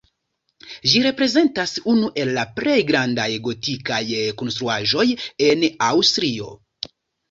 Ĝi reprezentas unu el la plej grandaj gotikaj konstruaĵoj en Aŭstrio.